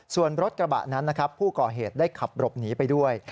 ส่วนรถกระบะนั้นนะครับผู้ก่อเหตุได้ขับหลบหนีไปด้วย